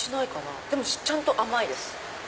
でもちゃんと甘いです。